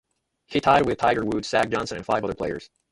He tied with Tiger Woods, Zach Johnson, and five other players.